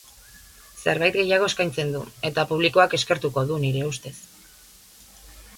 Zerbait gehiago eskaintzen du, eta publikoak eskertuko du, nire ustez.